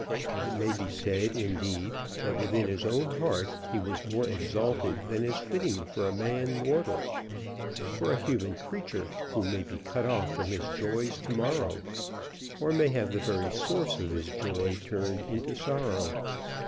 It may be said, indeed, that within his own heart he was more exalted than is fitting for a man mortal, for a human creature who may be cut off from his joys to morrow, or may have the very source of his joy turned into sorrow.